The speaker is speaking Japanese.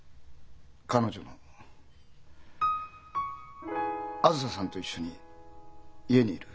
彼女のあづささんと一緒に家にいる。